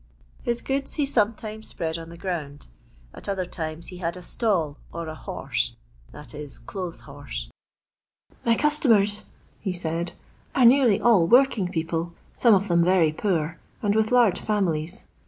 His goods he sometimes spread on the ground — at other times he had a stall or a '* horse " (clothes horse). " My customers," he said, "are nearly all working people, some of them very poor, and with large families.